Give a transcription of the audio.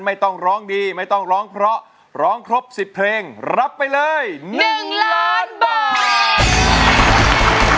ไม่ต้องร้องดีไม่ต้องร้องเพราะร้องครบ๑๐เพลงรับไปเลย๑ล้านบาท